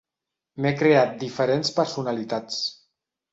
M'he creat diferents personalitats.